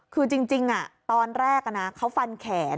คือจริงตอนแรกเขาฟันแขน